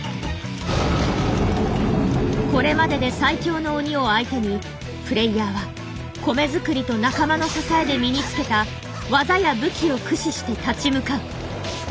これまでで最強の鬼を相手にプレイヤーは米作りと仲間の支えで身につけた技や武器を駆使して立ち向かう。